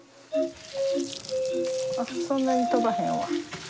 あっそんなに飛ばへんわ。